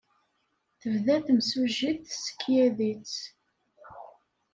Tebda temsujjit tessekyad-itt.